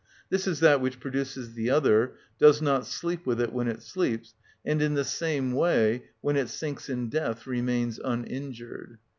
This is that which produces the other, does not sleep with it when it sleeps, and in the same way when it sinks in death remains uninjured.